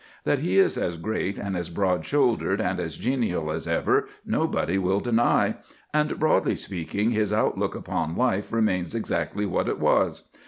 That he is as great and as broad shouldered and as genial as ever nobody will deny. And, broadly speaking, his outlook upon life remains exactly what it was.